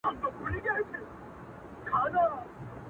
له ذاته زرغونېږي لطافت د باران یو دی,